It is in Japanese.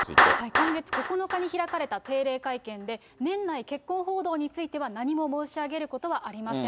今月９日に開かれた定例会見で年内結婚報道については何も申し上げることはありません。